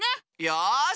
よし。